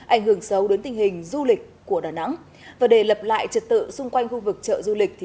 ảnh hưởng xấu đến tình hình du lịch của đà nẵng và để lập lại trật tự xung quanh khu vực chợ du lịch